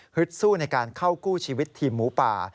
สู้ในการเข้ากู้ชีวิตทีมหมูป่า